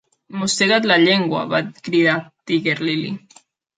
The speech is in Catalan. "Mossega't la llengua!" -va cridar Tiger-lily.